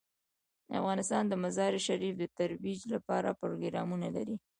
افغانستان د مزارشریف د ترویج لپاره پروګرامونه لري.